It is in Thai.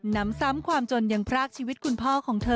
น้ำซ้ำความจนยังพรากชีวิตคุณพ่อของเธอ